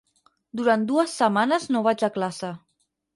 Durant dues setmanes no vaig a classe.